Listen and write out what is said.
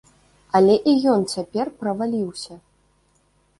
Але і ён цяпер праваліўся.